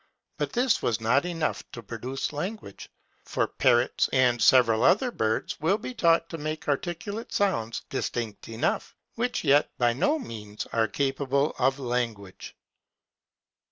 But this was not enough to produce language; for parrots, and several other birds, will be taught to make articulate sounds distinct enough, which yet by no means are capable of language.